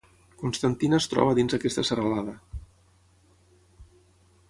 Constantina es troba dins aquesta serralada.